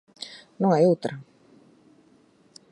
Non hai outra.